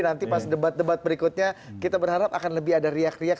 nanti pas debat debat berikutnya kita berharap akan lebih ada riak riak